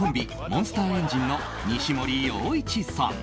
モンスターエンジンの西森洋一さん。